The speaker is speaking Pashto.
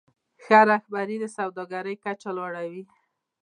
ښه رهبري د سوداګرۍ کچه لوړوي.